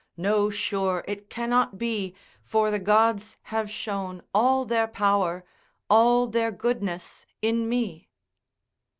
No sure it cannot be, for the gods have shown all their power, all their goodness in me.